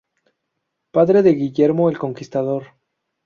Padre de Guillermo el Conquistador.